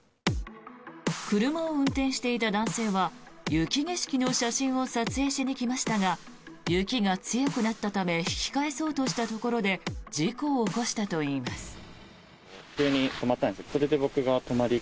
車を運転していた男性は雪景色の写真を撮影しに来ましたが雪が強くなったため引き返そうとしたところで事故を起こしたといいます。